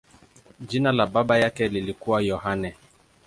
Jina la baba yake lilikuwa Yohane.